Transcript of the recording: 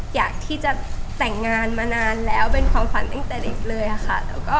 อยากที่จะแต่งงานมานานแล้วเป็นความฝันตั้งแต่เด็กเลยค่ะ